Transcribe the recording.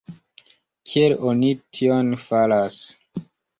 Kiel oni tion faras?